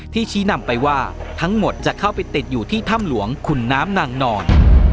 ชี้นำไปว่าทั้งหมดจะเข้าไปติดอยู่ที่ถ้ำหลวงขุนน้ำนางนอน